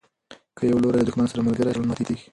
که یو لوری له دښمن سره ملګری شي تړون ماتیږي.